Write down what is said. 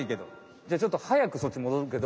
じゃちょっと速くそっちもどるけど。